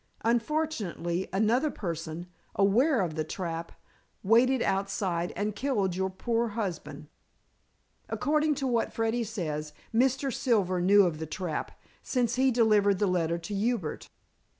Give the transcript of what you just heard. Unfortunately, another person, aware of the trap, waited outside and killed your poor husband." "According to what Freddy says, Mr. Silver knew of the trap, since he delivered the letter to Hubert.